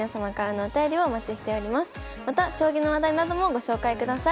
また将棋の話題などもご紹介ください。